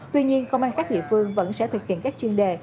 tuy nhiên công an các địa phương vẫn sẽ thực hiện các chuyên đề